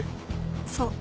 そう。